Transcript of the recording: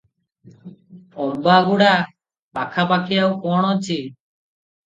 ଅମ୍ବାଗୁଡା ପାଖାପାଖି ଆଉ କଣ ଅଛି?